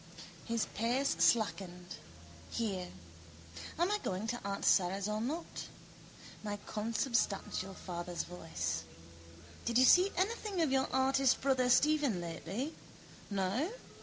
His pace slackened. Here. Am I going to aunt Sara's or not? My consubstantial father's voice. Did you see anything of your artist brother Stephen lately? No?